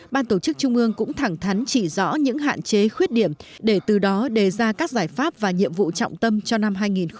ban tổ chức trung ương cũng thẳng thắn chỉ rõ những hạn chế khuyết điểm để từ đó đề ra các giải pháp và nhiệm vụ trọng tâm cho năm hai nghìn hai mươi